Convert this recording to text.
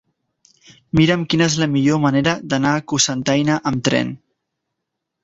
Mira'm quina és la millor manera d'anar a Cocentaina amb tren.